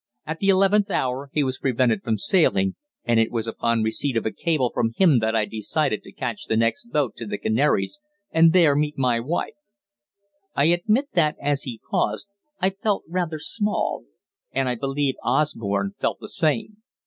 At the eleventh hour he was prevented from sailing, and it was upon receipt of a cable from him that I decided to catch the next boat to the Canaries and there meet my wife." I admit that, as he paused, I felt rather "small"; and I believe Osborne felt the same.